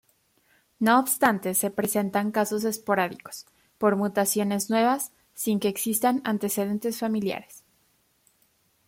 No obstante se presentan casos esporádicos, por mutaciones nuevas, sin que existan antecedentes familiares.